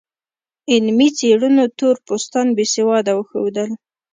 علمي څېړنو تور پوستان بې سواده وښودل.